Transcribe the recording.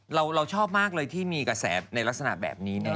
เราชอบมากเลยที่มีกระแสในลักษณะแบบนี้